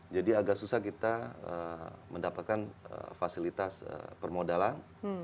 jadi agak susah kita mendapatkan fasilitas permodalan